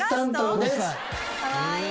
かわいい。